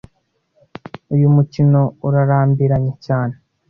uyUmukino urarambiranye cyane.